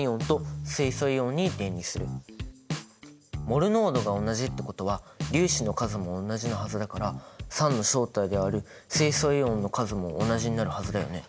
モル濃度が同じってことは粒子の数もおんなじなはずだから酸の正体である水素イオンの数も同じになるはずだよね？